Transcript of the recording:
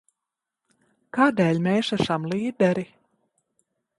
Kādēļ mēs esam līderi?